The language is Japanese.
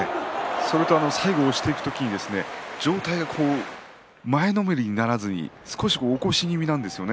そして最後、押していく時上体が前のめりにならず少し起こし気味なんですよね。